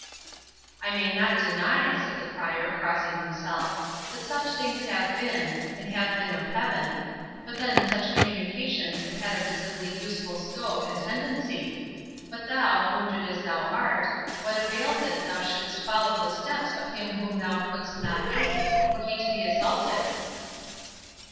"I may not deny," said the Prior, crossing himself, "that such things have been, and have been of Heaven; but then such communications have had a visibly useful scope and tendency. But thou, wounded as thou art, what avails it thou shouldst follow the steps of him whom thou couldst not aid, were he to be assaulted?"